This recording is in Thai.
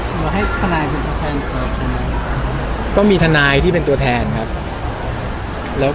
หรือว่ามันเร็งไปมากเกินไปไหมสำหรับแบบ